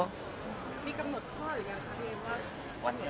มีกำหนดคลอดหรือยังคะ